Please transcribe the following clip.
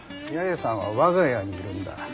八重さんは我が家にいるんだ。